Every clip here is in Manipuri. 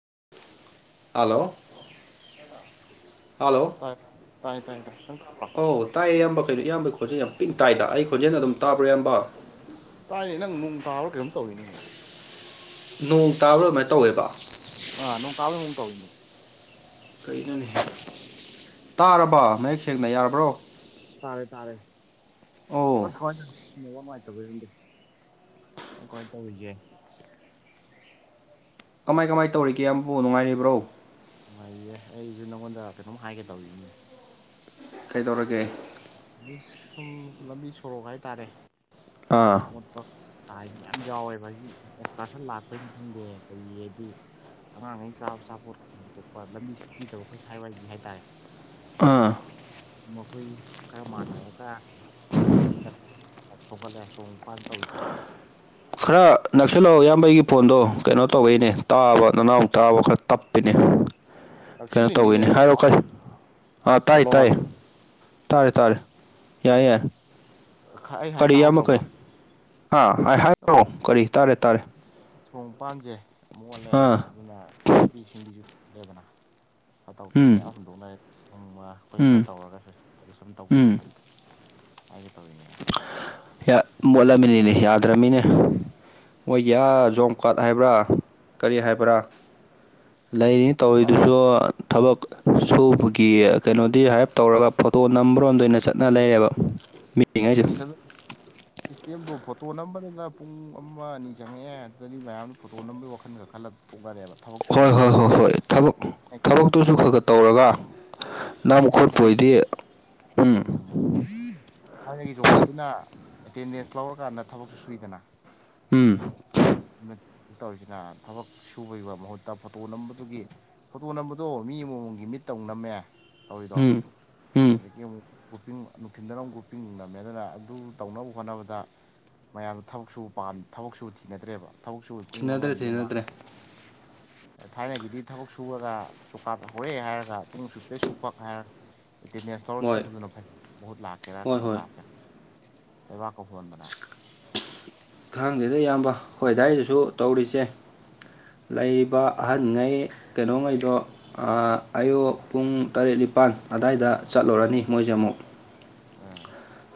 [inaudible] ꯍꯂꯣ ꯑ ꯇꯥꯏ ꯇꯥꯏ ꯇꯥꯏ ꯇꯥꯏ ꯅꯪ ꯇꯥꯂꯣ ꯑꯧ ꯇꯥꯏꯌꯦ ꯏꯌꯥꯝꯕ ꯀꯩꯅꯣ ꯏꯌꯥꯝꯕꯩ ꯈꯣꯟꯖꯦꯜ ꯌꯥꯝ ꯄꯤꯛ ꯇꯥꯏꯗ ꯑꯩ ꯈꯣꯟꯖꯦꯜ ꯑꯗꯨꯝ ꯇꯥꯕ꯭ꯔꯣꯌꯥꯝꯝꯕ ꯇꯥꯏꯅꯦ ꯅꯪ ꯅꯅꯨꯡ ꯇꯥꯕꯥ ꯀꯩꯅꯣꯝ ꯇꯧꯋꯤꯅꯦ ꯅꯣꯡ ꯇꯥꯕ꯭ꯔꯥ ꯑꯗꯨꯃꯥꯏꯅ ꯇꯧꯋꯦꯕ ꯑꯥ ꯅꯣꯡ ꯇꯥꯕꯩ [unintelligible] ꯇꯧ ꯀꯩꯅꯣ ꯇꯥꯔꯕ ꯃꯌꯦꯛ ꯁꯦꯡꯅ ꯌꯥꯔꯕ꯭ꯔꯣ ꯇꯥꯔꯦ ꯇꯥꯔꯦ [unintelligible] ꯑꯣ ꯐꯕ ꯅꯨꯡꯉꯥꯏꯇꯕꯔꯝꯗꯦ ꯀꯃꯥꯏ ꯀꯃꯥꯏꯅ ꯇꯧꯔꯤꯒꯦ ꯀꯃꯥꯏ ꯀꯃꯥꯏ ꯇꯧꯔꯤꯒꯦ ꯑꯃꯕꯨ ꯅꯨꯡꯉꯥꯏꯔꯤꯕ꯭ꯔꯣ ꯅꯨꯡꯉꯥꯏꯌꯦ ꯑꯩꯁꯨ ꯅꯪꯉꯣꯟꯗ ꯀꯩꯅꯣꯝ ꯍꯥꯏꯒꯦ ꯇꯧꯔꯤꯅꯦ ꯀꯩꯗꯧꯔꯒꯦ ꯁꯨꯝ ꯂꯝꯕꯤ ꯁꯣꯔꯣꯛ ꯍꯥꯏꯇꯥꯔꯦ ꯑꯥ ꯃꯣꯠꯄ ꯇꯥꯏ ꯌꯥꯝ ꯌꯥꯎꯋꯦꯕ ꯍꯥꯏꯛ ꯑꯦꯛꯁꯀꯔꯁꯟ ꯂꯥꯛꯄꯒꯤꯅꯤ ꯈꯪꯗꯦ ꯀꯩ ꯍꯥꯏꯗꯤ ꯑꯉꯥꯡ ꯑꯩ ꯆꯥꯕ ꯆꯥꯄꯣꯠ ꯈꯇꯣꯛꯄ ꯂꯝꯕꯤꯁꯤ ꯄꯤꯗꯕ ꯑꯩꯈꯣꯏ ꯁꯥꯏꯋꯥꯏꯗꯤ ꯍꯥꯏꯇꯥꯔꯦ ꯑꯥ ꯃꯈꯣꯏ ꯈꯔ ꯃꯥꯟꯅꯔꯒ ꯁꯣ ꯐꯂꯦꯁ ꯐꯥ ꯇꯧ ꯆꯦ ꯈꯔ ꯅꯛꯁꯤꯜꯂꯛꯑꯣ ꯏꯌꯥꯝꯕꯩꯒꯤ ꯐꯣꯟꯗꯣ ꯀꯩꯅꯣ ꯇꯧꯋꯛꯏꯅꯦ ꯇꯥꯕ ꯅꯅꯥꯎ ꯇꯥꯕ ꯈꯔ ꯇꯞꯄꯤꯅꯦ ꯀꯩꯅꯣ ꯅꯛꯁꯤꯜꯂꯤꯅꯤꯅꯦ ꯇꯧꯋꯤꯅꯦ ꯍꯜ ꯍꯥꯏꯔꯣ ꯈꯔꯤ ꯑꯥ ꯇꯥꯏ ꯍꯜꯂꯣ ꯇꯥꯏ ꯍꯜꯂꯣ ꯇꯥꯔꯦ ꯇꯥꯔꯦ ꯌꯥꯏ ꯌꯥꯏ ꯑꯩ ꯍꯥꯏ ꯇꯥꯍꯧꯗ꯭ꯔꯕꯣ ꯍꯥꯥ ꯍꯥꯏ ꯍꯥꯏꯈꯛꯑꯣ ꯀꯔꯤ ꯇꯥꯔꯦ ꯇꯥꯔꯦ ꯊꯣꯡ ꯃꯄꯥꯟꯁꯦ ꯃꯨꯛ ꯑꯣꯜꯂꯦ ꯑꯥ ꯑꯗꯨꯅ ꯄꯤ ꯁꯤꯡꯕꯤꯁꯨꯂꯦꯗꯅ ꯐꯇꯥꯎꯊꯤꯁꯨ ꯎꯝ ꯃꯌꯥꯝ ꯍꯨꯟꯗꯣꯛꯅꯔꯦ ꯎꯃ ꯑꯩꯈꯣꯏ ꯈꯔ ꯇꯧꯔꯒꯁꯨ ꯑꯩ ꯁꯨꯝ ꯎꯝ ꯇꯧꯁꯦꯅ ꯑꯩꯒꯤ ꯇꯕ ꯌꯥ ꯃꯣꯂꯃꯤꯅꯤꯅꯦ ꯌꯥꯗꯔꯃꯤꯅꯦ ꯃꯣꯏꯒꯤꯌꯥ ꯖꯣꯝ ꯀꯥꯔꯠ ꯍꯥꯏꯕ꯭ꯔꯥ ꯀꯔꯤ ꯍꯥꯏꯕ꯭ꯔꯥ ꯂꯩꯔꯤꯅꯤ ꯇꯧꯔꯤꯗꯨꯁꯨ ꯊꯕꯛ ꯁꯨꯕꯒꯤ ꯀꯩꯅꯣꯗꯤ ꯍꯥꯏꯔꯞ ꯇꯧꯔꯒ ꯐꯣꯇꯣ ꯅꯝꯕꯔꯣꯝꯗ ꯑꯣꯏꯅ ꯆꯠꯅ ꯂꯩꯔꯦꯕ ꯃꯤꯉꯩꯁꯦ ꯑꯁ ꯁꯤꯁꯇ ꯗ ꯐꯣꯇꯣ ꯅꯝꯕꯗꯨꯅ ꯄꯨꯡ ꯑꯃ ꯑꯅꯤ ꯆꯪꯉꯛꯑꯦ ꯑꯗꯨꯗꯤ ꯃꯌꯥꯝꯗ ꯐꯣꯇꯣ ꯅꯝꯕꯒꯤ ꯋꯥꯈꯜ ꯈꯔ ꯈꯜꯂ ꯇꯣꯛꯅꯔꯦꯕ ꯊꯕꯛ ꯁꯨꯕꯗꯣ ꯍꯣꯏ ꯍꯣꯏ ꯍꯣꯏ ꯈꯟꯗ꯭ꯔꯦꯕ ꯍꯣꯏ ꯊꯕꯛ ꯊꯕꯛꯇꯨꯁꯨ ꯈꯔ ꯈꯔ ꯇꯧꯔꯒ ꯃꯣꯏ ꯅꯝ ꯈꯣꯠꯄ ꯊꯥꯏꯅꯒꯤ ꯑꯣꯏꯗꯤ ꯎꯝ ꯊꯥꯏꯅꯒꯤ ꯆꯖꯣꯀꯥꯠꯇꯨꯅ ꯑꯦꯇꯦꯟꯗꯦꯟꯁ ꯂꯧꯔꯀꯥꯟꯗ ꯊꯕꯛꯁꯨ ꯁꯨꯏꯗꯅ ꯎꯝ ꯇꯧꯔꯤꯁꯤꯅ ꯊꯕꯛ ꯁꯨꯕꯒꯤ ꯃꯍꯨꯠꯇ ꯐꯣꯇꯣ ꯅꯝꯕꯗꯨꯒꯤ ꯐꯣꯇꯣ ꯅꯝꯕꯗꯣ ꯃꯤ ꯑꯃꯃꯝꯒꯤ ꯃꯤꯠ ꯇꯧ ꯅꯝꯃꯦ ꯇꯧꯔꯤꯗꯣ ꯎꯝ ꯎꯝ ꯑꯗꯒꯤ ꯑꯃꯨꯛ ꯒ꯭ꯔꯨꯞꯄꯤꯡ ꯅꯨꯡꯊꯤꯤꯟꯗꯔꯝꯛ ꯒ꯭ꯔꯨꯞꯄꯤꯡ ꯉꯝꯃꯦ ꯑꯗꯨꯅ ꯑꯗꯨ ꯇꯧꯅꯕ ꯍꯣꯠꯅꯕꯗ ꯃꯌꯥꯝꯗ ꯊꯕꯛꯁꯨꯝ ꯊꯕꯛꯁꯨ ꯊꯤꯅꯗ꯭ꯔꯦꯕ ꯊꯕꯛꯁꯨ ꯄꯨꯡ ꯊꯤꯅꯗ꯭ꯔꯦ ꯑꯃꯅꯤꯅꯤ ꯑꯗꯨ ꯃꯥ ꯊꯤꯅꯗ꯭ꯔꯦ ꯊꯥꯏꯅꯒꯤꯗꯤ ꯊꯕꯛ ꯁꯨꯔꯒ ꯆꯣꯀꯥꯔ ꯍꯧꯔꯦ ꯍꯥꯏꯔꯒ ꯄꯨꯡ ꯁꯨꯄꯦ ꯁꯨꯛꯄ ꯍꯥꯏꯔꯒ ꯑꯦꯇꯦꯟꯗꯦꯟꯁ ꯂꯧꯔ ꯃꯣꯏ ꯁꯨꯕꯗꯨꯅ ꯐꯩ ꯃꯍꯨꯠ ꯂꯥꯛꯀꯦꯔꯥ ꯍꯣꯏ ꯀꯩꯅꯣ ꯍꯣꯏ ꯂꯥꯛꯀꯦꯔꯥ ꯂꯩꯕꯥꯛ ꯀꯧꯍꯣꯟꯕꯅ ꯑꯩꯈꯣꯏꯗꯥꯋꯥꯏꯗꯁꯨ ꯇꯧꯔꯤꯁꯦ ꯂꯩꯔꯤꯕ ꯑꯍꯟꯉꯩ ꯀꯩꯅꯣꯉꯩꯗꯣ ꯑꯌꯨꯛ ꯄꯨꯡ ꯇꯔꯦꯠ ꯅꯤꯄꯥꯜ ꯑꯗꯨꯗꯥꯏꯗ ꯆꯠꯂꯨꯔꯅꯤ ꯃꯣꯏꯁꯦ ꯑꯃꯨꯛ ꯑꯥ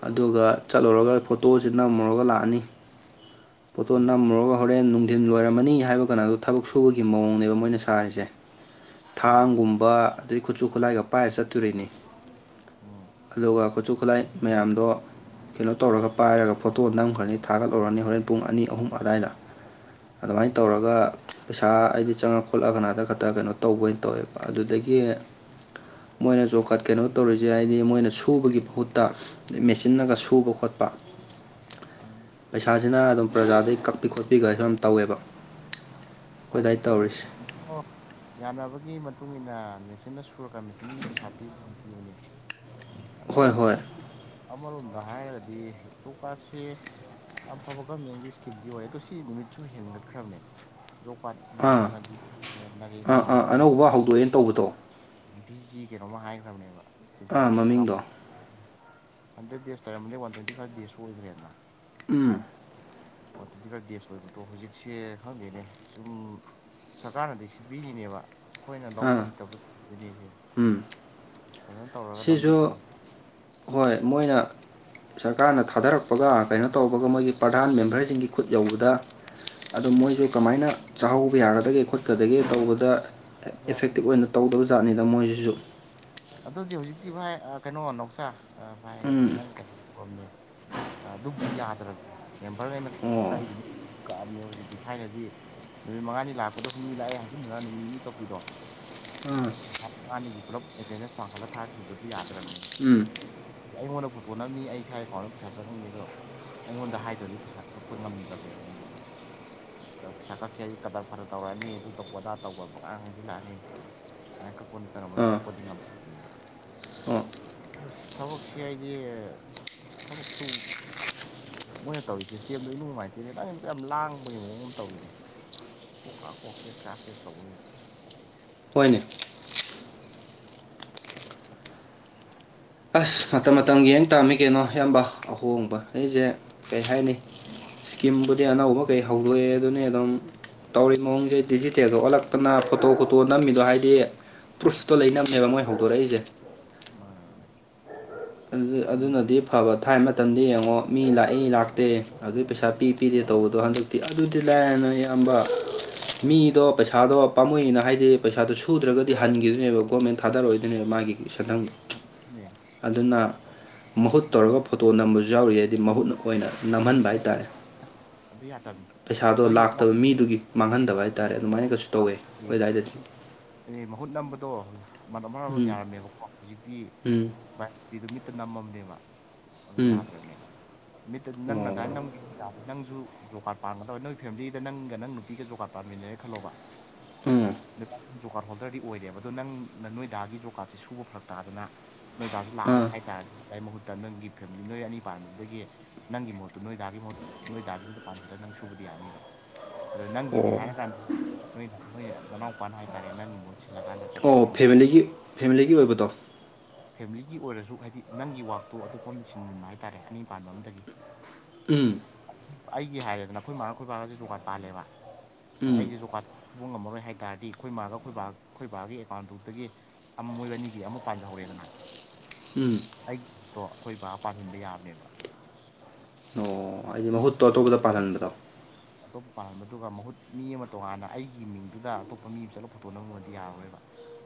ꯑꯗꯨꯒ ꯆꯠꯂꯨꯔꯒ ꯐꯣꯇꯣꯁꯤ ꯅꯝꯃꯨꯔꯒ ꯂꯥꯛꯑꯅꯤ ꯄꯣꯠꯇꯣ ꯅꯝꯃꯨꯔꯒ ꯍꯣꯔꯦꯟ ꯅꯨꯡꯊꯤꯟ ꯂꯣꯏꯔꯝꯃꯅꯤ ꯍꯥꯏꯕ ꯀꯅꯥꯗꯣ ꯊꯕꯛ ꯁꯨꯕꯒꯤ ꯃꯑꯣꯡꯅꯦꯕ ꯃꯣꯏꯅ ꯁꯥꯔꯤꯁꯦ [inaudible] ꯎꯝ ꯊꯥꯡꯒꯨꯝꯕ ꯑꯗꯨꯗꯩ ꯈꯨꯠꯁꯨ ꯈꯨꯠꯂꯥꯏꯒ ꯄꯥꯏꯔꯒ ꯆꯠꯇꯣꯔꯤꯩꯅꯤ ꯎꯝ ꯑꯗꯨꯒ ꯈꯨꯠꯁꯨ ꯈꯨꯠꯂꯥꯏ ꯃꯌꯥꯝꯗꯣ ꯀꯦꯂꯣꯠ ꯇꯧꯔꯒ ꯄꯥꯏꯔꯒ ꯐꯣꯇꯣ ꯅꯝꯈ꯭ꯔꯅꯤ ꯊꯥꯒꯠꯂꯨꯔꯅꯤ ꯍꯣꯔꯦꯟ ꯄꯨꯡ ꯑꯅꯤ ꯑꯍꯨꯝ ꯑꯗꯨꯗꯥꯏꯗ ꯎꯝ ꯑꯗꯨꯃꯥꯏꯅ ꯇꯧꯔꯒ ꯄꯩꯁꯥ ꯑꯩꯗꯤ ꯆꯪꯉ ꯈꯣꯠꯂ ꯀꯅꯥꯗ ꯈꯛꯇ ꯀꯩꯅꯣ ꯇꯧꯕ ꯑꯣꯏꯅ ꯇꯧꯋꯦꯕ ꯑꯗꯨꯗꯒꯤ ꯑꯒꯤ ꯃꯣꯏꯅ ꯖꯣꯀꯥꯠ ꯀꯩꯅꯣ ꯇꯧꯔꯤꯁꯦ ꯍꯥꯏꯗꯤ ꯃꯣꯏꯅ ꯁꯨꯕꯒꯤ ꯃꯍꯨꯠ ꯇ ꯃꯦꯆꯤꯟꯅꯟꯅꯒ ꯁꯨꯕ ꯈꯣꯠꯄ ꯎꯝ ꯄꯩꯁꯥꯁꯤꯅ ꯑꯗꯨꯝ ꯄ꯭ꯔꯖꯥꯗꯒꯤꯩ ꯀꯛꯄꯤ ꯈꯣꯠꯄꯤꯒꯁꯨ ꯑꯗꯨꯝ ꯇꯧꯋꯦꯕ ꯏꯁꯗꯤ ꯀꯛꯑꯣꯏꯗ ꯑꯣ ꯌꯥꯅꯕꯒꯤ ꯃꯇꯨꯡ ꯏꯟꯅ ꯃꯦꯆꯤꯟꯅ ꯁꯨꯔꯒ ꯃꯦꯆꯤꯟ ꯄꯩꯁꯥ ꯄꯤꯕꯗꯨꯝ ꯄꯤꯕꯅꯦ ꯑꯗꯣ ꯑꯃꯔꯣꯝꯗ ꯍꯥꯏꯔꯗꯤ ꯆꯣꯄꯥꯠꯁꯤ ꯌꯥꯝ ꯐꯕ ꯒꯔꯃꯦꯟꯒꯤ ꯏꯁꯀꯤꯝꯗꯤ ꯑꯣꯏ ꯑꯗꯣ ꯁꯤ ꯅꯨꯃꯤꯠꯁꯨ ꯍꯦꯟꯒꯠꯈ꯭ꯔꯕꯅꯦ ꯌꯣꯛ ꯄꯅꯦ ꯍꯥꯟꯅꯗꯤ ꯅꯔꯦꯒꯥꯥ ꯍꯥꯏꯕ ꯀꯩꯅꯣ ꯍꯥꯏ ꯐꯤꯁꯤ ꯀꯩꯅꯣꯝꯃ ꯍꯥꯏꯈ꯭ꯔꯕꯅꯦꯕ ꯏꯁꯀꯤ꯭ꯔꯤꯞꯇꯨꯁꯨ ꯆꯥꯎ ꯍꯟꯗ꯭ꯔꯦꯠ ꯗꯦꯖ ꯇ ꯂꯩꯔꯝꯃꯗꯤ ꯋꯥꯟ ꯇ꯭ꯋꯦꯟꯇꯤ ꯐꯥꯏꯚ ꯗꯦꯖꯁꯨ ꯑꯣꯏꯈ꯭ꯔꯦꯅ ꯎꯝ ꯋꯥꯇꯤꯗꯤꯤꯀ ꯒꯦꯁ ꯑꯣꯏꯕꯗꯣ ꯍꯧꯖꯤꯛꯁꯦ ꯈꯪꯗꯦꯅꯦ ꯁꯨꯝ ꯁꯔꯀꯥꯔꯅꯗꯤ ꯁꯤꯠꯕꯤꯔꯤꯅꯦꯕ ꯑꯩꯈꯣꯏꯅ ꯂꯧꯕ ꯍꯩꯇꯕꯗꯨꯅꯤꯁꯦ ꯎꯝ ꯁꯤꯁꯨ ꯁꯣꯔꯣꯛ ꯍꯣꯏ ꯃꯣꯏꯅ ꯁꯔꯀꯥꯔꯅ ꯊꯥꯗꯔꯛꯄꯒ ꯀꯩꯅꯣ ꯇꯧꯕꯒ ꯃꯣꯏꯒꯤ ꯄ꯭ꯔꯙꯥꯟ ꯃꯦꯝꯕꯔꯁꯤꯡꯒꯤ ꯈꯨꯠ ꯌꯧꯕꯗ ꯑꯗꯣ ꯃꯣꯏꯁꯨ ꯀꯃꯥꯏꯅ ꯆꯥꯍꯧꯕ ꯌꯥꯒꯗꯒꯦ ꯈꯣꯠꯀꯗꯒꯦ ꯇꯧꯕꯗ ꯍꯣꯏ ꯏꯐꯦꯛꯇꯤꯞ ꯑꯗꯨꯗꯤ ꯑꯣꯏꯅ ꯇꯧꯗꯕ ꯖꯥꯠꯅꯤꯗ ꯃꯣꯏꯁꯤꯁꯨ ꯑꯗꯨꯗꯤ ꯍꯧꯖꯤꯛꯇꯤ ꯚꯥꯏ ꯀꯩꯅꯣ ꯅꯣꯛꯆꯥꯥ ꯑ ꯚꯥꯏ ꯀꯩꯗꯧꯋꯤ ꯅꯪ ꯀꯩꯅ ꯇꯧꯝꯅꯦ ꯑꯗꯨꯝꯕ ꯌꯥꯗ꯭ꯔꯕ ꯃꯦꯝꯕꯔꯩꯅ ꯀꯥꯏꯗꯨ ꯀꯥꯕꯅꯦ ꯍꯧꯖꯤ ꯍꯧꯖꯤꯛꯇꯤ ꯊꯥꯏꯅꯗꯤ ꯅꯨꯃꯤꯠ ꯃꯉꯥꯅꯤ ꯂꯥꯛꯄꯗꯣ ꯍꯨꯝꯅꯤ ꯂꯥꯛꯑꯦ ꯍꯟꯆꯤꯟꯗꯨꯒ ꯅꯨꯃꯤꯠ ꯅꯤꯅꯤ ꯀꯛꯄꯤꯔꯣ ꯄꯩꯁꯥ ꯃꯉꯥꯅꯤꯒꯤ ꯄꯨꯂꯞ ꯑꯦꯇꯦꯟꯗꯦꯟꯁ ꯄꯡꯈꯠꯂꯒ ꯊꯥꯈꯤꯕꯗꯨꯣ ꯌꯥꯗ꯭ꯔꯕꯅꯤ ꯎꯝ ꯑꯩꯉꯣꯟꯗ ꯐꯣꯇꯣꯅꯕꯅꯤ ꯑꯩ ꯏꯁꯥ ꯑꯦꯀꯥꯎꯟꯗ ꯄꯩꯁꯥ ꯆꯪꯍꯟꯅꯤ ꯑꯗꯣ ꯑꯩꯉꯣꯟꯗ ꯍꯥꯏꯗ꯭ꯔꯗꯤ ꯄꯩꯁꯥ ꯀꯛꯄ ꯉꯝꯗ꯭ꯔꯕꯅꯦꯕ ꯃꯣꯏꯁꯨ ꯄꯩꯁꯥ ꯀꯛꯀꯦꯗꯤ ꯀꯇꯔ ꯐꯠꯇꯅ ꯇꯧꯔꯛꯑꯅꯤ ꯑꯗꯨ ꯇꯧꯕꯗꯥ ꯇꯧꯕ ꯃꯉꯥꯡ ꯍꯟꯖꯤꯜꯂꯛꯑꯅꯤ ꯀꯛꯄꯅꯤ ꯇꯔ ꯃꯣꯏ ꯑꯥ ꯀꯛꯄꯗꯤ ꯉꯕ ꯑꯣ ꯑꯁ ꯊꯕꯛꯁꯤ ꯍꯥꯏꯗꯤ ꯊꯕꯛ ꯁꯨ ꯃꯣꯏꯅ ꯇꯧꯔꯤ ꯁꯤꯁꯇꯦꯝꯗꯣ ꯑꯩ ꯅꯨꯡ ꯅꯨꯡꯉꯥꯏꯇꯦꯅꯦꯗꯪ ꯑꯩꯅ ꯀ ꯌꯥꯝ ꯂꯥꯡꯕꯒꯤ ꯃꯑꯣꯡ ꯑꯃ ꯇꯧꯔꯤꯅꯦ ꯀꯀꯥ ꯀꯣꯛꯦ ꯆꯦ ꯁꯒꯅ ꯍꯣꯏꯅꯦ ꯑꯁ ꯃꯇꯝ ꯀꯩꯗꯧꯔꯕ ꯃꯇꯝꯒꯤ ꯌꯦꯡ ꯇꯥꯝꯃꯤ ꯀꯩꯅꯣ ꯑꯌꯥꯝꯕ ꯑꯍꯣꯡꯕ ꯑꯩꯁꯦ ꯀꯩ ꯍꯥꯏꯅꯤ ꯏꯁꯀꯤꯝꯕꯨꯗꯤ ꯑꯅꯧꯕ ꯀꯩ ꯍꯧꯗꯣꯛꯑꯦ ꯑꯗꯨꯅꯤ ꯑꯗꯨꯝ ꯇꯧꯔꯤꯔꯤꯕ ꯃꯑꯣꯡꯁꯦ ꯗꯤꯖꯤꯇꯦꯜ ꯊꯣꯛꯍꯜꯂꯛꯇꯅ ꯐꯣꯇꯣ ꯈꯣꯇꯣ ꯅꯝꯃꯤꯗꯣ ꯍꯥꯏꯗꯤ ꯄ꯭ꯔꯣꯁꯇꯣ ꯂꯩꯅꯕꯅꯦꯕꯉꯣꯏ ꯍꯧꯗꯣꯔꯛꯏꯁꯦ ꯃꯥꯅꯦ ꯃꯥꯅꯦ ꯌꯨꯝꯅꯦ ꯑꯗꯨꯅꯗꯤ ꯐꯕ ꯊꯥꯏꯃ ꯃꯇꯝꯗꯤ ꯌꯦꯡꯉꯣ ꯃꯤ ꯂꯥꯛꯏ ꯂꯥꯛꯇꯦ ꯑꯗꯨꯒꯤ ꯄꯩꯁꯥ ꯄꯤ ꯄꯤꯗꯦ ꯇꯧꯕꯗꯣ ꯍꯟꯗꯛꯇꯤ ꯑꯗꯨꯗꯤ ꯂꯥꯏꯔꯅ ꯌꯥꯝ ꯊꯝꯕ ꯃꯤꯗꯣ ꯄꯩꯁꯥꯗꯣ ꯄꯥꯝꯃꯣꯏꯅ ꯍꯥꯏꯗꯤ ꯄꯩꯁꯥꯗꯣ ꯁꯨꯗ꯭ꯔꯒꯗꯤ ꯍꯟꯈꯤꯗꯨꯣꯏꯅꯦꯕ ꯒꯣꯔꯃꯦꯟ ꯊꯥꯗꯔꯛꯑꯣꯏꯗꯨꯣꯏꯅꯦꯕ ꯃꯥꯒꯤ ꯁꯟꯗꯝ ꯌꯥ ꯑꯗꯨꯅ ꯃꯍꯨꯠ ꯇꯧꯔꯒ ꯐꯣꯇꯣ ꯅꯝꯕꯁꯨ ꯌꯥꯎꯔꯤ ꯍꯥꯏꯗꯤ ꯃꯍꯨꯠꯅ ꯑꯣꯏꯅ ꯅꯝꯍꯟꯕ ꯍꯥꯏ ꯇꯥꯔꯦ ꯑꯗꯨ ꯌꯥꯗꯕꯅꯤ ꯄꯩꯁꯥꯗꯣ ꯑꯗꯨ ꯂꯥꯛꯇꯕ ꯃꯤꯗꯨꯒꯤ ꯃꯥꯡꯍꯟꯗꯕ ꯍꯥꯏꯇꯥꯔꯦ ꯑꯗꯨꯃꯥꯏꯅ ꯀꯩꯁꯨ ꯇꯧꯋꯦ ꯑꯩꯈꯣꯏ ꯑꯗꯨꯗꯥꯋꯥꯏꯗꯗꯤ ꯑꯦ ꯃꯍꯨꯠ ꯅꯝꯕꯗꯣ ꯃꯔ ꯑꯃ ꯎꯝ ꯌꯥꯔꯝꯃꯦꯕꯀꯣ ꯍꯧꯖꯤꯛꯇꯤ ꯎꯝ ꯚꯥꯏꯔꯛꯇꯤꯗꯣ ꯃꯤꯠꯇ ꯅꯝꯃꯝꯅꯦꯕ ꯑꯗꯨ ꯎꯝ ꯌꯥꯗ꯭ꯔꯕꯅꯦ ꯅꯨꯃꯤꯠꯇꯗꯤ ꯅꯪꯅ ꯑꯣ ꯑꯗꯨꯗꯥꯏꯅ ꯅꯪꯗꯤ ꯅꯪꯁꯨ ꯖꯣ ꯀꯥꯔꯠ ꯄꯥꯟꯒꯗꯕ ꯅꯣꯏ ꯐꯦꯃꯤꯂꯤꯗ ꯅꯪꯒ ꯅꯪ ꯅꯨꯄꯤꯒꯖꯣ ꯀꯥꯔꯠ ꯄꯥꯟꯃꯤꯟꯅꯔ ꯈꯜꯂꯣꯕ ꯎꯝ ꯀꯥꯟ ꯖꯣ ꯀꯥꯔꯠ ꯍꯣꯜꯗꯔꯗꯤ ꯑꯣꯏꯔꯦꯕ ꯑꯗꯣ ꯅꯪ ꯅꯣꯏ ꯗꯥꯒꯤ ꯖꯣ ꯀꯥꯔꯗꯁꯦ ꯁꯨꯕ ꯐꯔꯛ ꯇꯥꯗꯅ ꯅꯣꯏꯗꯥꯁ ꯂꯥꯛꯑꯔꯣꯏ ꯑꯥ ꯍꯥꯏꯇꯥꯔꯗꯤ ꯑꯗꯨ ꯃꯍꯨꯠ ꯅꯪꯒꯤ ꯐꯦꯃꯤꯂꯤ ꯅꯣꯏ ꯑꯅꯤ ꯄꯥꯟꯕꯗꯨꯗꯒꯤ ꯅꯪꯒꯤ ꯃꯍꯣꯠꯇꯣ ꯅꯣꯏ ꯊꯥꯒꯤ ꯃꯍꯣꯠ ꯅꯣꯏ ꯇꯥꯒꯤ ꯃꯄꯥꯟꯁꯤꯗ ꯅꯪ ꯁꯨꯕꯗꯤ ꯌꯥꯅꯤꯕ ꯑꯗ ꯑꯣ ꯅꯪꯒꯤꯅꯤ ꯍꯥꯏꯔꯀꯥꯟꯗ ꯅꯣꯏꯅ ꯅꯣꯏꯅ ꯃꯅꯥꯎꯄꯥꯅ ꯍꯥꯏꯇꯥꯔꯦ ꯅꯪꯒꯤ ꯃꯍꯨꯠ ꯁꯤꯜꯂꯀꯥꯟꯗ ꯆꯠ ꯑꯣ ꯐꯦꯃꯤꯂꯤꯒꯤ ꯐꯦꯃꯤꯂꯤꯒꯤ ꯑꯣꯏꯕꯗꯣ ꯐꯦꯃꯤꯂꯤꯒꯤ ꯑꯣꯏꯔꯁꯨ ꯍꯥꯏꯗꯤ ꯅꯪꯒꯤ ꯋꯥꯛꯇꯣ ꯑꯇꯣꯞꯄ ꯑꯃꯝ ꯂꯣꯏꯁꯤꯟꯕꯤꯟꯕ ꯍꯥꯏꯇꯥꯔꯦ ꯑꯅꯤ ꯄꯥꯟꯕ ꯑꯝꯗꯒꯤ ꯎꯝ ꯑꯩꯒꯤ ꯍꯥꯏꯔꯦꯗꯅ ꯅꯈꯣꯏ ꯃꯥꯥꯈꯣꯏ ꯄꯕꯥꯒꯁ ꯖꯀꯥꯠ ꯄꯥꯜꯂꯦꯕ ꯑꯗ ꯎꯝ ꯑꯩꯁꯦ ꯖꯣꯀꯥꯠ ꯁꯨꯕ ꯉꯝꯃꯔꯣꯏ ꯍꯥꯏ ꯇꯥꯔꯗꯤ ꯑꯩꯈꯣꯏ ꯃꯥꯒ ꯑꯩꯈꯣꯏ ꯕꯥ ꯑꯩꯈꯣꯏ ꯕꯥꯒꯤ ꯑꯦꯀꯥꯎꯟꯇꯨꯛꯇꯒꯤ ꯃꯣꯏ ꯑꯅꯤꯒꯤ ꯑꯃ ꯄꯥꯟꯖꯍꯧꯔꯦꯗꯅ ꯎꯝ ꯑꯩꯗꯣ ꯑꯩꯈꯣꯏ ꯕꯥ ꯄꯥꯁꯤꯟꯕ ꯌꯥꯕꯅꯦꯕ ꯑꯣ ꯍꯥꯏꯗꯤ ꯃꯍꯨꯠꯇꯣ ꯑꯇꯣꯞꯄꯗ ꯄꯥꯜꯍꯟꯕꯗꯣ ꯄꯥ ꯑꯗꯨꯒ ꯃꯍꯨꯠ ꯃꯤ ꯑꯃ ꯇꯣꯉꯥꯟꯅ ꯑꯩꯒꯤ ꯃꯤꯡꯗꯨꯗ ꯑꯇꯣꯞꯄ ꯃꯤ ꯑꯃ ꯆꯠꯂꯒ ꯐꯣꯇꯣꯛꯅꯕꯅꯗꯤ ꯌꯥꯔꯔꯣꯏꯕ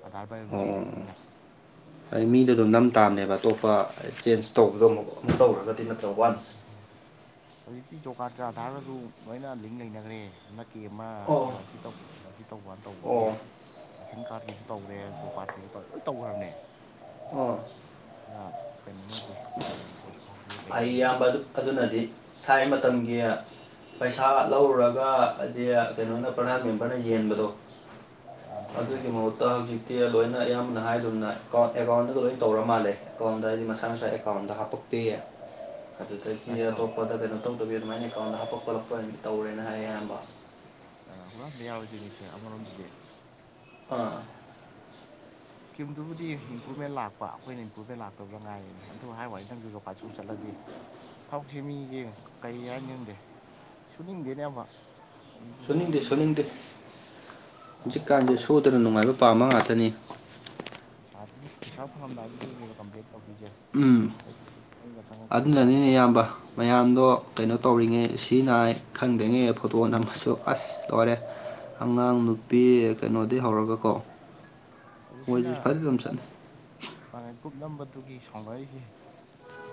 ꯑꯙꯥꯔꯨ ꯄꯥꯏꯨꯝꯇꯤ ꯂꯩꯕꯅꯤꯅ ꯑꯩ ꯃꯤꯗꯣ ꯑꯗꯨꯝ ꯅꯝ ꯇꯥꯕꯅꯦꯕ ꯑꯇꯣꯞꯄ ꯆꯦꯟꯖ ꯇꯧꯕꯗꯣ ꯑꯃꯨꯛ ꯑꯃꯛ ꯇꯧꯔꯒꯗꯤ ꯅ ꯗ ꯋꯥꯟꯁ ꯍꯧꯖꯤꯛꯇꯤ ꯣ ꯀꯥꯔꯠꯀ ꯑꯙꯥꯔꯒꯁꯨ ꯂꯣꯏꯅ ꯂꯤꯡ ꯂꯩꯅꯈ꯭ꯔꯦ ꯍꯟꯗꯛ ꯀꯦ ꯑꯃ ꯑꯣ ꯀꯦ ꯋꯥꯏ ꯁꯤ ꯇꯧ ꯋꯥ ꯁꯤ ꯇꯧ ꯇꯕꯥꯅ ꯇꯧꯕꯒꯤ ꯑꯣ ꯔꯦꯁꯟ ꯀꯥꯔꯠꯀꯤꯁꯨ ꯇꯧꯔꯦ ꯣ ꯀꯥꯔꯀꯤꯁꯨ ꯇꯧꯔꯦ ꯂꯣꯏ ꯇꯧꯈ꯭ꯔꯕꯅꯦ ꯑꯣ ꯀꯩꯅꯣꯉꯁꯦ ꯄꯩꯁꯥꯁꯤ ꯑꯩ ꯏꯌꯥꯝꯕ ꯑꯗꯨꯅꯗꯤ ꯊꯥꯏ ꯃꯇꯝꯒꯤ ꯄꯩꯁꯥ ꯂꯧꯔꯨꯔꯒ ꯍꯥꯏꯗꯤ ꯀꯩꯅꯣꯅ ꯄ꯭ꯔꯙꯥꯟ ꯃꯦꯝꯕꯔꯅ ꯌꯦꯟꯕꯗꯣ ꯑꯗꯨꯗꯤ ꯑꯗꯨꯒꯤ ꯑꯣꯏꯔꯔꯣꯏ ꯃꯍꯨꯠꯇ ꯍꯧꯖꯤꯛꯇꯤ ꯂꯣꯏꯅ ꯑꯌꯥꯝ ꯅ ꯍꯥꯏꯗꯨꯝꯅ ꯑꯦꯀꯥꯎꯟ ꯑꯦꯀꯥꯎꯟꯗꯒ ꯂꯣꯏ ꯇꯧꯔ ꯃꯥꯜꯂꯦ ꯑꯦꯀꯥꯎꯟꯗ ꯍꯥꯏꯗꯤ ꯃꯁꯥ ꯃꯁꯥ ꯑꯦꯀꯥꯎꯟꯗ ꯍꯥꯞꯄꯛꯄꯤ ꯑꯗꯨꯗꯒꯤ ꯀꯩꯅꯣ ꯇꯧꯔꯦ ꯑꯇꯣꯞꯄꯗ ꯀꯩꯅꯣ ꯇꯧꯗꯕꯤ ꯑꯗꯨꯃꯥꯏꯅ ꯑꯦꯀꯥꯎꯟꯗ ꯍꯥꯞꯄ ꯈꯣꯠꯂꯛꯄ ꯇꯧꯔꯦꯅ ꯍꯥꯏꯌꯦ ꯑꯌꯥꯝꯕ ꯑ ꯄꯨꯔꯥꯗꯤ ꯌꯥꯔꯣꯏꯗꯤꯅꯤ ꯁꯦ ꯑꯃꯔꯣꯝꯗꯗꯤ ꯑ [inaudible] ꯏꯁꯀꯤꯝꯗꯨꯕꯨꯗꯤ ꯏꯝꯄ꯭ꯔꯨꯞꯃꯦꯟ ꯂꯥꯛꯄ ꯑꯩꯈꯣꯏꯅ ꯏꯝꯄ꯭ꯔꯨꯚꯃꯦꯟ ꯂꯇꯕꯗ ꯉꯥꯏꯔꯤꯅꯦ ꯑꯗꯨ ꯍꯥꯏ ꯋꯥꯅꯤ ꯅꯪꯁꯨꯖꯣꯀꯥꯠ ꯁꯨ ꯆꯠꯂ ꯊꯥꯎꯁꯦ ꯃꯤꯁꯦ ꯀꯔꯤ ꯌꯥ ꯆꯪꯗꯦ ꯁꯨꯅꯤꯡꯗꯦꯅꯦ ꯑꯕ ꯁꯣꯅꯤꯡꯗꯦ ꯁꯣꯅꯤꯡꯗꯦ ꯌꯥꯔꯒꯗꯤ ꯍꯧꯖꯤꯛꯀꯥꯟꯗꯤ ꯂꯩꯊꯣꯛ ꯁꯣꯗꯅ ꯅꯨꯡꯉꯥꯏꯕ ꯄꯥꯝꯝꯕ ꯉꯥ ꯇꯅꯤ ꯄꯩꯁꯥ ꯄꯩꯁꯥ ꯐꯪꯂꯝꯗꯥꯏꯗꯤꯗ ꯀꯝꯄ꯭ꯂꯦꯟ ꯇꯧꯕꯤꯁꯦ ꯎꯝ ꯑꯩꯒ ꯆꯪꯉꯛꯇꯦ ꯑꯗꯨꯅꯅꯤꯅꯦ ꯀꯥꯏꯅꯀꯣ ꯏꯌꯥꯝꯕ ꯃꯌꯥꯝꯗꯣ ꯀꯩꯅꯣ ꯇꯧꯔꯤꯉꯩ ꯁꯤ ꯅꯥ ꯈꯪꯗ꯭ꯉꯩ ꯐꯣꯇꯣ ꯅꯝꯃꯁꯨ ꯑꯁ ꯂꯣꯏꯔꯦ ꯑꯉꯥꯡ ꯅꯨꯄꯤ ꯀꯩꯅꯣꯗꯤ ꯍꯧꯔꯒꯀꯣ ꯍꯧꯖꯤꯛꯁꯤꯅ ꯃꯣꯏꯁꯨ ꯐꯖꯅ ꯑꯗꯨꯝ ꯒꯃꯨ ꯆꯠꯅꯩ ꯒ꯭ꯔꯨꯞ ꯅꯝꯕꯗꯨꯒꯤ ꯁꯥꯎꯅꯔꯤꯁꯦ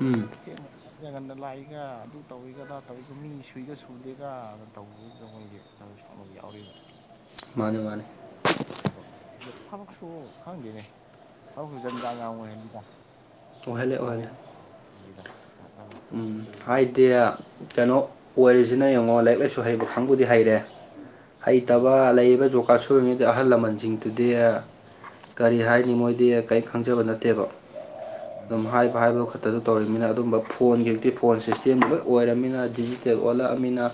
ꯎꯝ ꯊꯦꯡ ꯅ ꯒꯟꯗ ꯂꯥꯛꯏꯒ ꯑꯗꯨ ꯇꯧꯔꯤꯒ ꯑꯗꯥ ꯇꯧꯋꯤꯒ ꯃꯤ ꯁꯨꯏꯒ ꯁꯨꯗꯦꯒꯅ ꯇꯧꯕꯗꯨꯗ ꯃꯣꯏꯁꯦ ꯁꯥꯎꯅꯕ ꯌꯥꯎꯔꯤꯕ ꯃꯥꯅꯦ ꯃꯥꯅꯦ ꯊꯕꯛꯁꯨ ꯈꯪꯗꯦꯅꯦ ꯊꯕꯛꯁꯨ ꯖꯟꯖꯥ ꯌꯥꯝ ꯑꯣꯏꯍꯜꯂꯤꯗ ꯑꯣꯏꯍꯜꯂꯦ ꯑꯅ ꯑꯣꯏꯍꯜꯂꯦ ꯌꯦꯗ ꯎꯝ ꯍꯥꯏꯗꯤ ꯀꯩꯅꯣ ꯑꯣꯏꯔꯤꯁꯤꯅ ꯌꯦꯡꯉꯣ ꯂꯥꯏꯔꯤꯛ ꯂꯥꯏꯁꯨ ꯍꯩꯕ ꯀꯥꯡꯪꯕꯨꯗꯤ ꯍꯩꯔꯦ ꯎꯝ ꯍꯩꯇꯕ ꯂꯩꯔꯤꯕ ꯌꯖꯣꯒꯥꯥ ꯁꯨꯔꯤꯉꯩꯗ ꯑꯍꯜ ꯂꯃꯟꯁꯤꯡꯗꯨꯗꯤ ꯀꯔꯤ ꯍꯥꯏꯅꯤ ꯃꯣꯏꯗꯤ ꯀꯔꯤ ꯈꯪꯖꯕ ꯅꯠꯇꯦꯕ ꯑꯗꯨꯝ ꯍꯥꯏꯕ ꯍꯥꯏꯕ ꯈꯛꯇꯗꯨ ꯇꯧꯔꯤꯝꯅꯤꯅ ꯑꯗꯨꯝꯕ ꯐꯣꯟꯒꯤ ꯍꯧꯖꯤꯛꯇꯤ ꯐꯣꯟ ꯁꯤꯁꯇꯦꯝ ꯂꯣꯏ ꯑꯣꯏꯔꯃꯤꯅ ꯗꯤꯖꯤꯇꯦꯜ ꯑꯣꯜꯂꯛꯑꯃꯤꯅ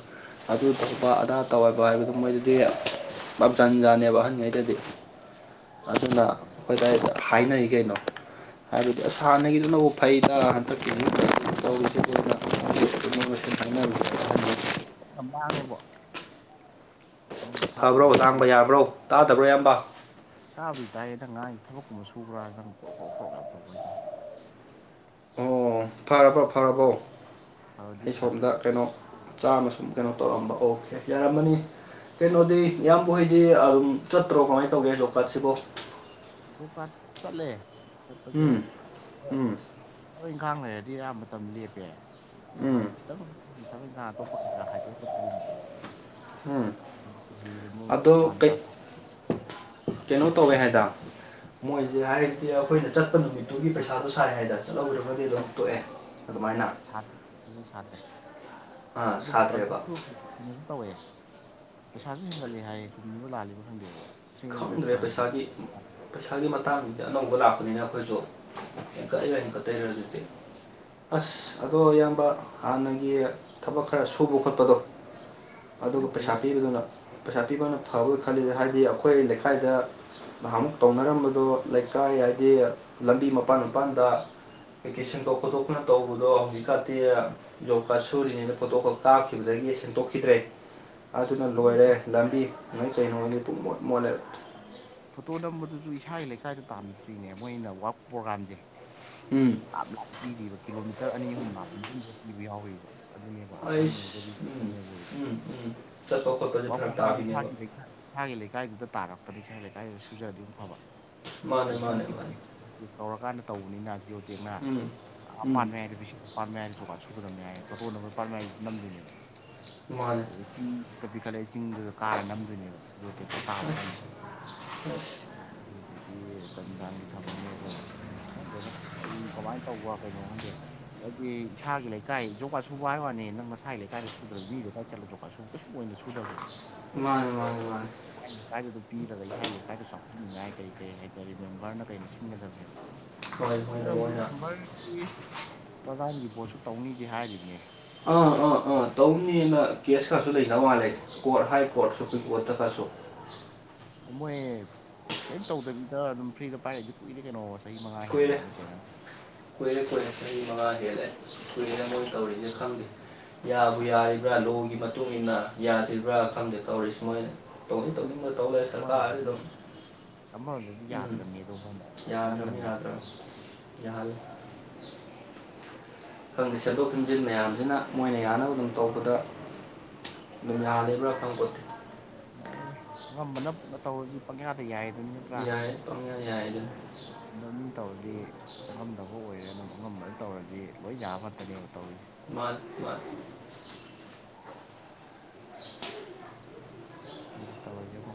ꯑꯗꯨ ꯇꯧꯕ ꯑꯗꯥ ꯇꯧꯥꯏꯕ ꯍꯥꯏꯕꯗꯣ ꯃꯣꯏꯗꯨꯗꯤ ꯄꯞ ꯆꯟ ꯖꯥꯅꯦꯕ ꯑꯍꯟꯉꯩꯗꯗꯤ ꯃꯥꯅꯦ ꯑꯗꯨꯅ ꯃꯥꯅꯦ ꯃꯥꯅꯦ ꯑꯩꯈꯣꯏꯗ ꯍꯥꯏꯅꯔꯤ ꯀꯩꯅꯣ ꯍꯥꯏꯕꯗꯤ ꯑꯁ ꯍꯥꯟꯅꯒꯤꯗꯨꯅꯕꯨ ꯐꯩꯩꯅ ꯍꯟꯗꯛꯀꯤ ꯇꯧꯔꯤꯁꯤ ꯀꯅ ꯈꯥꯏꯅ ꯃꯥꯡꯉꯦꯕꯣ ꯅꯪ ꯐꯕ꯭ꯔꯣ ꯊꯕꯛꯀꯨꯝꯕ ꯂꯥꯡꯕ ꯁꯨꯕꯤ ꯌꯥꯕ꯭ꯔꯣ ꯇꯥꯗꯕ꯭ꯔꯣ ꯏꯌꯥꯝꯕ ꯇꯥꯕꯨꯗꯤ ꯇꯥꯏꯌꯦ ꯅꯪ ꯉꯥꯏ ꯊꯕꯛꯀꯨꯝꯕ ꯁꯨꯕ꯭ꯔꯥ ꯅꯪ ꯀ ꯀ ꯀꯛ ꯀ ꯇꯧꯕꯗ ꯑꯣ ꯐꯔꯕꯣ ꯐꯔꯕꯣ ꯐꯕꯗꯤ ꯑꯩ ꯁꯣꯝꯗ ꯐꯈ꯭ꯔꯦ ꯀꯩꯅꯣ ꯆꯥꯃ ꯁꯨꯝ ꯀꯩꯅꯣ ꯇꯧꯔꯝꯕ ꯑꯣꯀꯦ ꯌꯥꯔꯝꯃꯅꯤ ꯀꯩꯅꯣꯗꯤ ꯏꯌꯥꯝꯕ ꯍꯩꯗꯤ ꯑꯗꯨꯝ ꯆꯠꯇ꯭ꯔꯣ ꯀꯃꯥꯏꯅ ꯇꯧꯒꯦ ꯍꯖꯣꯛꯄꯥꯠꯁꯤꯕꯣ ꯍꯣꯀꯥꯠ ꯆꯠꯂꯦ ꯆꯠꯄꯁꯦ ꯎꯝ ꯎꯝ ꯊꯕ ꯏꯪꯈꯥꯡ ꯂꯩꯔ ꯗꯤ ꯑꯌꯥꯝꯕ ꯃꯇꯝ ꯂꯦꯞꯄꯦ ꯎꯝ ꯍꯧꯖꯤꯛ ꯈꯤꯇꯪ ꯊꯕꯛ ꯏꯟꯈꯥꯡ ꯑꯇꯣꯞꯄ ꯈꯔ ꯈꯔ ꯍꯥꯏꯗꯣꯛꯑ ꯆꯠꯇꯔꯤꯅꯣ ꯎꯝ ꯑꯗꯣ ꯀꯩ ꯀꯩꯅꯣ ꯇꯧꯋꯦ ꯍꯥꯏꯗ ꯃꯣꯏꯁꯦ ꯍꯥꯏꯗꯤ ꯑꯩꯈꯣꯏꯅ ꯆꯠꯄ ꯅꯨꯃꯤꯠꯇꯨꯒꯤ ꯄꯩꯁꯥꯗꯣ ꯁꯥꯏ ꯍꯥꯏꯗꯅ ꯆꯠꯍꯧꯗ꯭ꯔꯒꯗꯤ ꯑꯗꯨꯝ ꯇꯣꯛꯑꯦ ꯑꯗꯨꯃꯥꯏꯅ ꯁꯥꯠꯇ꯭ꯔꯦ ꯑꯥ ꯁꯥꯗ꯭ꯔꯦꯕ ꯑꯗꯨꯁꯨꯅꯣ ꯇꯧꯋꯦ ꯄꯩꯁꯥꯁꯨ ꯍꯦꯟꯒꯠꯂꯦ ꯍꯥꯏꯌꯦ ꯆꯨꯝꯕ ꯂꯥꯜꯂꯤꯕ ꯈꯪꯗꯦ ꯍꯥꯏ ꯈꯪꯗ꯭ꯔꯦ ꯄꯩꯁꯥꯒꯤ ꯄꯩꯁꯥꯒꯤ ꯃꯇꯥꯡꯗ ꯑꯅꯧꯕ ꯂꯥꯛꯄꯅꯤꯅ ꯑꯩꯈꯣꯏꯁꯨ ꯍꯦꯟꯀꯠꯏꯔ ꯍꯦꯟꯀꯠꯠꯇꯩꯔꯦ ꯑꯗꯨꯖꯤꯛꯇꯤ ꯑꯁ ꯑꯗꯣ ꯏꯌꯥꯝꯕ ꯍꯥꯟꯅꯒꯤ ꯊꯕꯛ ꯈꯔ ꯁꯨꯕ ꯈꯣꯠꯄꯗꯣ ꯑꯗꯨꯅ ꯑꯗꯨꯒ ꯐꯩꯌꯦ ꯄꯩꯁꯥ ꯄꯤꯕꯗꯨꯅ ꯄꯩꯁꯥ ꯄꯤꯕꯅ ꯐꯕꯣꯏ ꯈꯜꯂꯤꯗ ꯍꯥꯏꯕꯗꯤ ꯑꯩꯈꯣꯏ ꯂꯩꯀꯥꯏꯗ ꯅꯍꯥꯟ ꯑꯃꯨꯛ ꯇꯧꯅꯔꯝꯕꯗꯣ ꯂꯩꯀꯥꯏ ꯍꯥꯏꯗꯤ ꯂꯝꯕꯤ ꯃꯄꯥꯟ ꯃꯄꯥꯟꯗ ꯚꯦꯀꯦꯁꯟ ꯈꯣꯇꯣꯛꯄꯅ ꯇꯧꯕꯗꯣ ꯍꯧꯖꯤꯛ ꯀꯥꯤ ꯖꯣꯕ ꯀꯥꯔꯗ ꯁꯨꯔꯤꯅꯤꯅ ꯈꯣꯇꯣꯛ ꯀꯥꯈꯤꯕꯗꯒꯤ ꯑꯩꯒꯤ ꯁꯦꯡꯗꯣꯛꯈꯤꯗ꯭ꯔꯦ ꯑꯗꯨꯅ ꯑꯗꯨ ꯂꯣꯏꯔꯦ ꯂꯝꯕꯤ ꯅꯣꯏ ꯆꯩꯩꯅꯣꯉꯗꯤ ꯄꯨꯡ ꯃꯣꯠ ꯃꯣꯠꯂꯦ ꯐꯣꯇꯣ ꯅꯝꯕꯗꯨꯁꯨ ꯏꯁꯥꯒꯤ ꯂꯩꯀꯥꯏꯗ ꯇꯥꯟꯝꯗ꯭ꯔꯤꯅꯦ ꯃꯣꯏꯅ ꯋꯥꯛ ꯄ꯭ꯔꯣꯒꯥꯝꯁꯦ ꯎꯝ ꯂꯥꯞ ꯂꯥꯞ ꯄꯤꯔꯤꯕ ꯀꯤꯂꯣꯃꯤꯇꯔ ꯑꯅꯤ ꯑꯍꯨꯝ ꯂꯥꯞ ꯃꯇꯨꯡꯗ ꯄꯤꯕ ꯌꯥꯎꯔꯤꯕ ꯑꯗꯨꯅꯦꯕ ꯑꯩꯁ ꯎꯝ ꯑꯍꯥꯡꯉꯩꯗꯗꯤꯕꯒꯤ ꯎꯝ ꯎꯝ ꯆꯠꯄ ꯈꯣꯠꯄꯁꯦ ꯐꯔꯛ ꯇꯥꯕꯤꯅꯦꯕ ꯏꯁꯥꯒꯤ ꯂꯩꯀꯥꯏꯗꯨꯗ ꯇꯥꯔꯛꯇꯅꯤ ꯏꯁꯥꯒꯤ ꯂꯩꯀꯥꯏꯗꯨꯗ ꯁꯨꯖꯔꯗꯤ ꯑꯃꯛ ꯐꯕ ꯃꯥꯅꯦ ꯃꯥꯅꯦ ꯍꯧꯖꯤꯛꯁꯤꯅꯖꯤ ꯃꯥꯅꯦ ꯇꯧꯔꯀꯥꯟꯗ ꯇꯧꯕꯅꯤꯅ ꯍꯧꯖꯤꯛ ꯍꯧꯇꯦꯛꯅ ꯎꯝ ꯑꯄꯥ ꯎꯝ ꯍꯥꯏꯏꯗ ꯕꯤ ꯍꯥꯏꯗ ꯁꯨꯒꯗ ꯌꯥꯏ ꯐꯣꯇꯣ ꯄꯥꯝꯃꯤ ꯅꯝꯗꯣꯏꯅꯦꯕ ꯃꯥꯅꯦ ꯑꯗꯩ ꯆꯤꯡꯛꯇ ꯄꯤꯈꯠꯂꯛꯏ ꯆꯤꯡꯗꯨꯗ ꯀꯥꯔ ꯅꯝꯗꯣꯏꯅꯦꯕ ꯂꯣꯇꯦꯛꯇꯨ ꯇꯥꯕ ꯃꯐꯝꯗꯣ ꯑꯁ ꯗꯤ ꯖꯟ ꯖꯥꯟꯒꯤ ꯊꯕꯛꯅꯦ ꯑꯗꯣ ꯈꯪꯖꯒꯦ ꯀꯔꯤ ꯀꯃꯥꯏꯅ ꯇꯧꯕ ꯀꯩꯅꯣ ꯈꯪꯗꯦ ꯍꯥꯏꯗꯤ ꯏꯁꯥꯒꯤ ꯂꯩꯀꯥꯏ ꯖꯣꯒꯥ ꯁꯨꯕ ꯍꯥꯏꯕ ꯋꯥꯅꯤ ꯅꯪ ꯅꯁꯥꯒꯤ ꯂꯩꯀꯥꯏꯗ ꯁꯨꯗ꯭ꯔꯕ ꯃꯤ ꯂꯩꯀꯥꯏ ꯆꯠꯂꯒ ꯖꯣꯒꯥ ꯁꯨꯕ ꯀꯩꯁꯨ ꯁꯨꯗꯕꯅꯦꯕ ꯃꯥꯅꯦ ꯃꯥꯅꯦ ꯃꯥꯅꯦ ꯑ ꯀꯥꯏꯗꯨꯗꯣ ꯄꯤꯔꯒ ꯑꯩ ꯆꯥꯎꯈꯟꯅꯤꯡꯉꯥꯏ ꯀꯩ ꯀꯩ ꯍꯥꯏꯇꯥꯔꯦ ꯃꯦꯝꯕꯔꯅ ꯀꯩꯅ ꯁꯤꯟꯒꯗꯕꯅꯦꯕ ꯍꯣꯏ ꯑꯗꯣ ꯃꯣꯏꯅ ꯍꯧꯖꯤꯛ ꯃꯣꯏꯅ ꯃꯦꯝꯕꯔꯒꯤ ꯄ꯭ꯔꯀꯥꯟꯒꯤ ꯄꯣꯠꯁꯨ ꯇꯧꯅꯤꯗꯦ ꯍꯥꯏꯔꯤꯕꯅꯦ ꯑꯥ ꯑꯥ ꯑꯥ ꯇꯧꯅꯦꯅ ꯀꯦꯁ ꯀꯔꯁꯨ ꯂꯩ ꯅꯋꯥ ꯂꯩ ꯀꯣꯔꯠ ꯍꯥꯏ ꯀꯣꯔꯠ ꯁꯨꯄ꯭ꯔꯤꯝ ꯀꯣꯔꯠꯇ ꯐꯥꯁꯣ ꯃꯣꯏ ꯀꯔꯤꯝ ꯇꯧꯗꯕꯤꯗ ꯑꯗꯨꯝ ꯐ꯭ꯔꯤꯗ ꯄꯥꯏꯔꯛꯏꯁꯦ ꯀꯨꯏꯔꯦ ꯀꯩꯅꯣ ꯑꯣꯏꯔꯁ ꯑꯩꯔ ꯑꯩꯔ ꯀꯄ ꯃꯉ ꯍꯦꯔꯦ ꯀꯔꯗ ꯇꯧꯔꯤꯗ ꯈꯪꯗꯦ ꯌꯥꯕꯨ ꯌꯥꯔꯤꯕ꯭ꯔꯥ ꯂꯣꯒꯤ ꯃꯇꯨꯡ ꯃꯇꯨꯡꯏꯟꯅ ꯌꯥꯗ꯭ꯔꯤꯕ꯭ꯔꯥ ꯈꯪꯗꯦ ꯇꯧꯔꯤ ꯁꯨꯃꯥꯏꯅ ꯇꯧꯗꯤ ꯇꯧ ꯇꯧꯔꯦ ꯁꯔꯀꯥꯔꯁꯤ ꯑꯃꯔꯣꯝꯗꯗꯤ ꯑꯗꯨꯝ ꯑꯃꯔꯣꯝꯗꯗꯤ ꯎꯝ ꯌꯥꯗ꯭ꯔꯕꯅꯤ ꯑꯗꯨ ꯃꯣꯏꯅ ꯌꯥꯗ꯭ꯔꯅꯤ ꯅꯝꯗꯅ ꯌꯥ ꯌꯥꯍꯜꯂꯤ ꯌꯥꯔꯦ ꯈꯪꯗꯦ ꯁꯟꯗꯣꯛ ꯁꯟꯖꯤꯟ ꯃꯌꯥꯝꯁꯤꯅ ꯃꯣꯏꯅ ꯌꯥꯅꯕ ꯑꯗꯨꯝ ꯇꯧꯕꯗ ꯌꯥꯍꯦ ꯄꯨ ꯐꯝꯠꯇ ꯑꯗꯨꯃꯥꯏ ꯑꯉꯝꯕꯅꯅ ꯇꯧꯔꯗꯤ ꯄꯪꯌꯥꯗ ꯌꯥꯏꯗ ꯑꯗꯨ ꯅꯠꯇ꯭ꯔꯥ ꯌꯥꯏ ꯄꯪꯌꯥ ꯌꯥꯏꯗ ꯑꯗꯣ ꯃꯤ ꯇꯧꯔꯗꯤ ꯆꯪꯉꯝꯗꯕ ꯑꯣꯏꯔꯦ ꯑꯗꯨꯝ ꯑꯉꯝꯕꯅ ꯇꯧꯔꯗꯤ ꯂꯣꯏ ꯌꯥꯕ ꯉꯥꯛꯇꯅꯦꯕ ꯇꯧꯔꯤ ꯃ ꯃ ꯈꯪꯄ꯭꯭ꯂꯠ ꯇꯧꯔꯤꯁꯤꯕ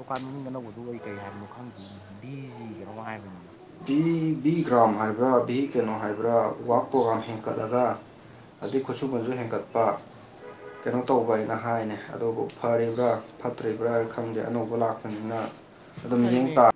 ꯣꯀꯥꯔꯠ ꯃꯃꯤꯡ ꯑꯅꯧꯕꯗꯨ ꯀꯔꯤ ꯀꯔꯤ ꯍꯥꯏꯕꯅꯣ ꯈꯪꯗ ꯚꯤꯁꯤ ꯀꯩꯅꯣꯝꯃ ꯍꯥꯏꯕꯅꯤꯣ ꯚꯤ ꯚꯤ ꯒ꯭ꯔꯥꯝ ꯍꯥꯏꯕ꯭ꯔꯥ ꯚꯤ ꯀꯩꯅꯣ ꯍꯥꯏꯕ꯭ꯔꯥ ꯋꯥꯛ ꯄ꯭ꯔꯣꯒ꯭ꯔꯥꯝ ꯍꯦꯟꯀꯠꯂꯒ ꯑꯗꯨꯗꯩ ꯈꯨꯠꯁꯨꯃꯟꯁꯨ ꯍꯦꯟꯒꯠꯄ ꯀꯩꯅꯣ ꯇꯧꯕ ꯍꯥꯏꯅ ꯍꯥꯏꯅꯦ ꯑꯗꯨꯕꯨ ꯐꯔꯤꯕ꯭ꯔꯥ ꯐꯠꯇ꯭ꯔꯤꯕ꯭ꯔꯥ ꯈꯪꯗꯦ ꯑꯅꯧꯕ ꯂꯥꯛꯄꯅꯤꯅ ꯑꯗꯨ ꯑꯗꯨꯝ ꯌꯦꯠꯌꯦꯡ ꯐꯩꯅꯦ ꯇꯥ